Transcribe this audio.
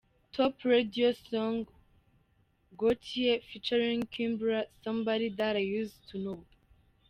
Top Radio Song: Gotye Featuring Kimbra "Somebody That I Used To Know".